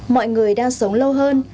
mọi người đang sống lâu hơn